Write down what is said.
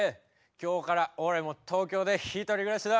今日から俺も東京で一人暮らしだ。